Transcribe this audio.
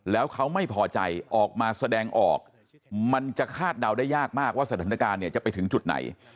แล้วเขาไม่พอใจออกมาแสดงออกมันจะคาดเดาได้ยากมากว่าสถานการณ์เนี่ยจะไปถึงจุดไหน